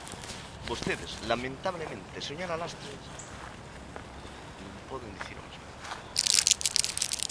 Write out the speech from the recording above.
Vostedes, lamentablemente, señora Lastres, non poden dicir o mesmo.